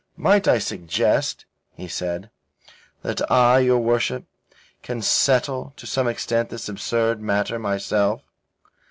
"Might I suggest," he said, "That I, your worship, can settle to some extent this absurd matter myself.